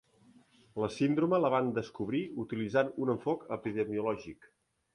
La síndrome la van descobrir utilitzant un enfoc epidemiològic.